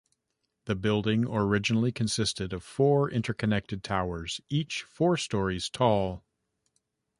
The building originally consisted of four interconnected towers, each four stories tall.